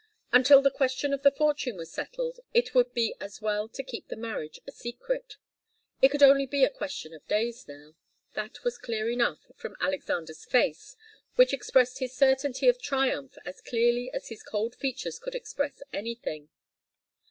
Until the question of the fortune was settled, it would be as well to keep the marriage a secret. It could only be a question of days now. That was clear enough from Alexander's face, which expressed his certainty of triumph as clearly as his cold features could express anything.